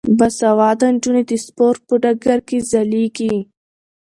باسواده نجونې د سپورت په ډګر کې ځلیږي.